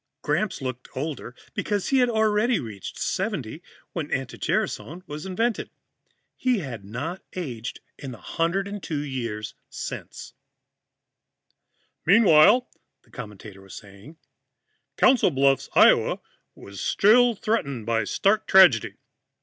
Gramps looked older because he had already reached 70 when anti gerasone was invented. He had not aged in the 102 years since. "Meanwhile," the commentator was saying, "Council Bluffs, Iowa, was still threatened by stark tragedy.